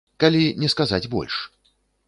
Калі не сказаць больш.